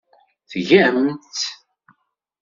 Tgam-tt.